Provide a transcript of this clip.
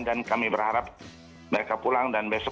dan kami berharap mereka pulang dan besok